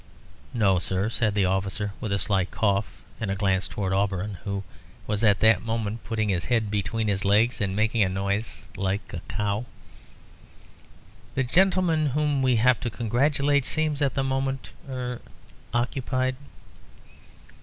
"No, sir," said the officer, with a slight cough and a glance towards Auberon, who was at that moment putting his head between his legs and making a noise like a cow; "the gentleman whom we have to congratulate seems at the moment er er occupied."